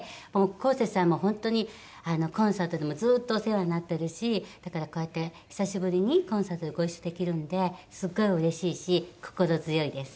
こうせつさんも本当にコンサートでもずーっとお世話になってるしだからこうやって久しぶりにコンサートでご一緒できるのですごいうれしいし心強いです。